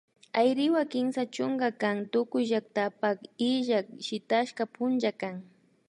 Ayriwa Kimsa chunka kan tukuy llaktapak illak shitashka punlla kan